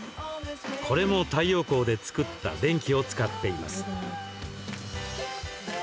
これも太陽光で作った電気を使っています。